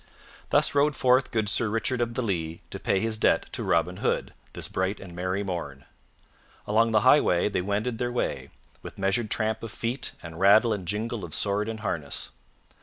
Thus rode forth good Sir Richard of the Lea to pay his debt to Robin Hood this bright and merry morn. Along the highway they wended their way, with measured tramp of feet and rattle and jingle of sword and harness.